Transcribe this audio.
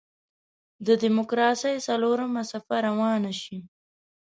د دیموکراسۍ څلورمه څپه روانه شي.